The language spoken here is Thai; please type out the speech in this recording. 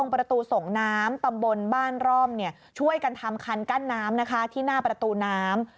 ประตูส่งน้ำตำบลบ้านร่อมช่วยกันทำคันกั้นน้ำนะคะที่หน้าประตูน้ำ